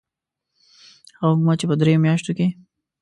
هغه حکومت چې په دریو میاشتو کې.